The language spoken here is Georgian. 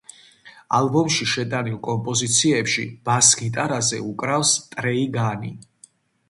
ალბომში შეტანილ კომპოზიციებში ბას გიტარაზე უკრავს ტრეი განი.